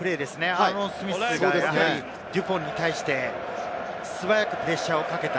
アーロン・スミスがやはりデュポンに対して素早くプレッシャーをかけた。